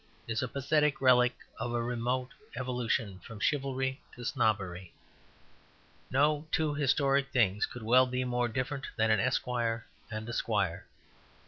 is a pathetic relic of a remote evolution from chivalry to snobbery. No two historic things could well be more different than an esquire and a squire.